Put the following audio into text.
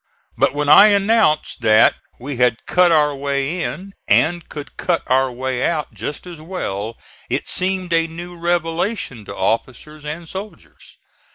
But when I announced that we had cut our way in and could cut our way out just as well, it seemed a new revelation to officers and soldiers.